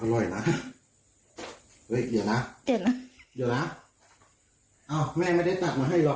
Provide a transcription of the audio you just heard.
อร่อยนะเหยียดนะเหยียดนะเหยียดนะอ้าวแม่ไม่ได้ตัดมาให้หรอก